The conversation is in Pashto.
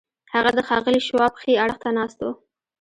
هغه د ښاغلي شواب ښي اړخ ته ناست و